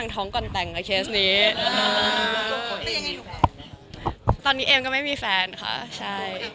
ตอนนี้เอมก็ไม่มีแฟนค่ะใช่